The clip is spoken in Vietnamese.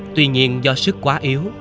tuy nhiên do sức quá yếu